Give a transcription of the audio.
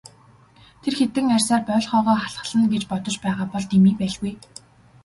Тэр хэдэн арьсаар боольхойгоо халхална гэж бодож байгаа бол дэмий байлгүй.